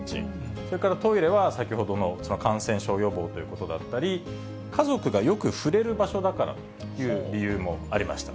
それからトイレは先ほどの感染症予防ということだったり、家族がよく触れる場所だからという理由もありました。